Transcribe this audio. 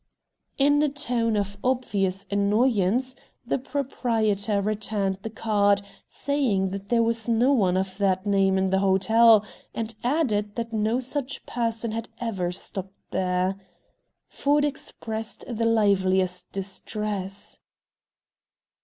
In a tone of obvious annoyance the proprietor returned the card, saying that there was no one of that name in the hotel, and added that no such person had ever stopped there. Ford expressed the liveliest distress.